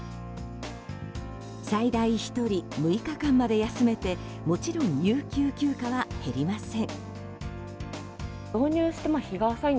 最大１人６日間まで休めてもちろん有給休暇は減りません。